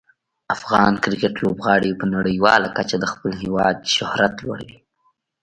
افغان کرکټ لوبغاړي په نړیواله کچه د خپل هیواد شهرت لوړوي.